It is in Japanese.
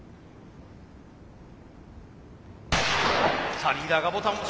さあリーダーがボタンを。